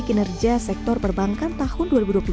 kinerja sektor perbankan tahun dua ribu dua puluh dua